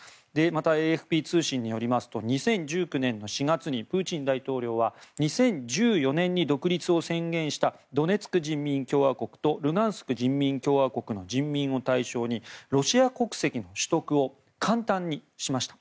また、ＡＦＰ通信によりますと２０１９年４月にプーチン大統領は２０１４年に独立を宣言したドネツク人民共和国とルガンスク人民共和国の人民を対象にロシア国籍の取得を簡単にしました。